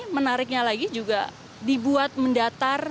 menariknya lagi juga dibuat mendatar